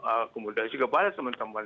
akomodasi kepada teman teman